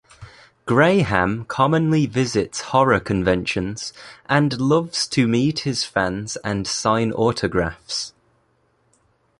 Graham commonly visits horror conventions and loves to meet his fans and sign autographs.